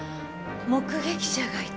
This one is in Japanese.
目撃者がいたのね？